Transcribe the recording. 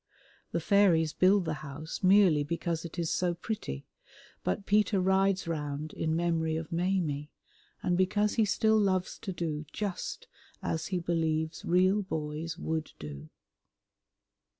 The fairies build the house merely because it is so pretty, but Peter rides round in memory of Maimie and because he still loves to do just as he believes real boys would do.